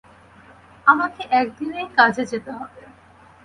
আমাকে এক দিনেই কাজে যেতে হবে।